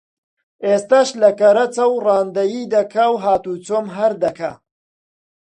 ئێستەش لە کەرەجە و ڕانندەیی دەکا و هاتوچۆم هەر دەکا